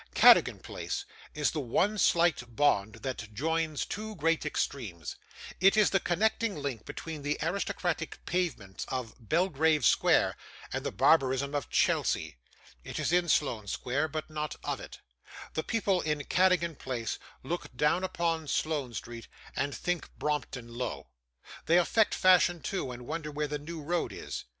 Cadogan Place is the one slight bond that joins two great extremes; it is the connecting link between the aristocratic pavements of Belgrave Square, and the barbarism of Chelsea. It is in Sloane Street, but not of it. The people in Cadogan Place look down upon Sloane Street, and think Brompton low. They affect fashion too, and wonder where the New Road is.